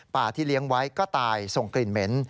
ที่เลี้ยงไว้ก็ตายส่งกลิ่นเหม็น